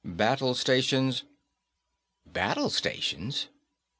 BATTLE STATIONS! Battle Stations?